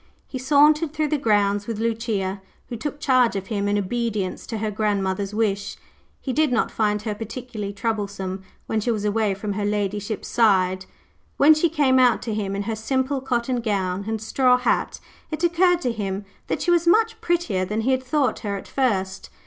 He sauntered through the grounds with Lucia, who took charge of him in obedience to her grandmother's wish. He did not find her particularly troublesome when she was away from her ladyship's side. When she came out to him in her simple cotton gown and straw hat, it occurred to him that she was much prettier than he had thought her at first.